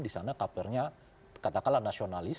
di sana kapernya katakanlah nasionalis